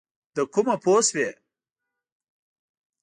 له کومه پوه شوې؟